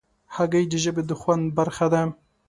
هګۍ د ژبې د خوند برخه ده.